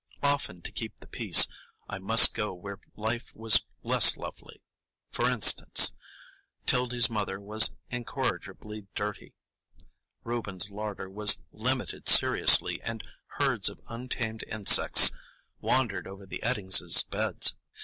Often, to keep the peace, I must go where life was less lovely; for instance, 'Tildy's mother was incorrigibly dirty, Reuben's larder was limited seriously, and herds of untamed insects wandered over the Eddingses' beds.